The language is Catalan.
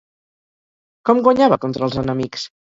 Com guanyava contra els enemics?